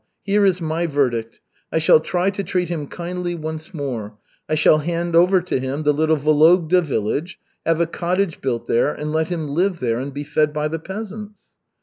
Here is my verdict. I shall try to treat him kindly once more. I shall hand over to him the little Vologda village, have a cottage built there, and let him live there and be fed by the peasants."